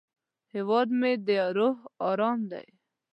هیواد مې د روح ارام دی